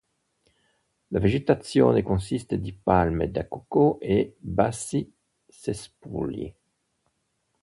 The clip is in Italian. La vegetazione consiste di palme da cocco e bassi cespugli.